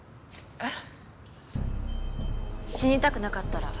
えっ？